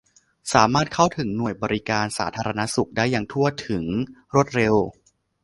สามารถเข้าถึงหน่วยบริการสาธารณสุขได้อย่างทั่วถึง รวดเร็ว